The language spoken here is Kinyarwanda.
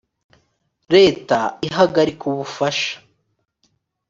leta ihagarika ubufasha